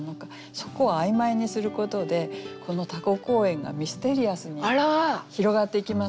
そこを曖昧にすることでこのタコ公園がミステリアスに広がっていきませんか？